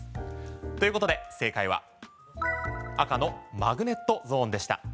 ということで正解は赤のマグネットゾーンでした。